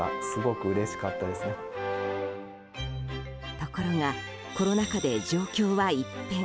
ところがコロナ禍で状況は一変。